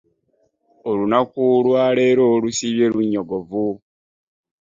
Olunaku lwa leero lusiibye lunnyogovu.